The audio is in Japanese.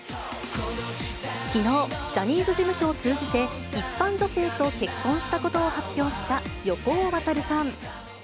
きのう、ジャニーズ事務所を通じて、一般女性と結婚したことを発表した、横尾渉さん。